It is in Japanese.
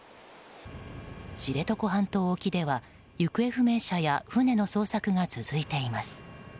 知床半島沖では行方不明者や船の捜索が続いています。